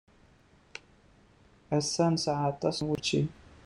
Ass-a, nesɛa aṭas n wučči.